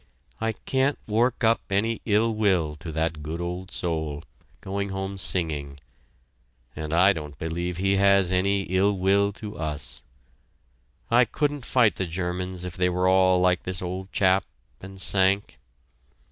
I can't work up any ill will to that good old soul, going home singing and I don't believe he has any ill will to us. I couldn't fight the Germans if they were all like this old chap and Sank!"